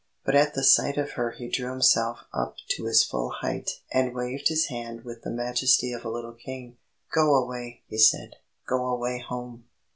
But at the sight of her he drew himself up to his full height and waved his hand with the majesty of a little king. "Go away!" he said. "Go away home!"